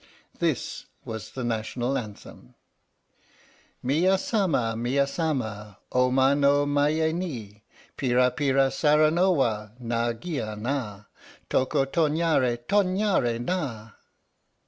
This was the National Anthem : Miya sama, miya sama, Ou ma no, maye ni. Pira Pira sara no wa Nan gia na Toko tonyare, tonyare na